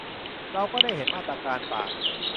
เราก็ได้เห็นมาตรการต่าง